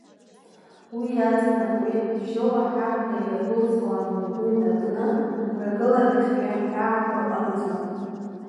Уи иаҵанакуеит Бжьоу аҳабла иагәылсуа амҩаду инаркны мрагыларахьтәи ҳҳәаақәа рҟынӡа.